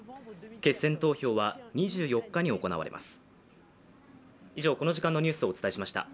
決選投票は２４日に行われます。